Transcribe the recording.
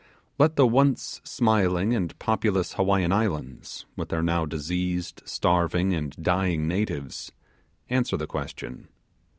Let the once smiling and populous Hawaiian islands, with their now diseased, starving, and dying natives, answer the question.